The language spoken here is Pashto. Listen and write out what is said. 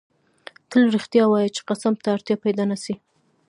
تل رښتیا وایه چی قسم ته اړتیا پیدا نه سي